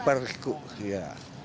per kubik ya